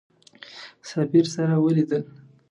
سفیر سره ولیدل.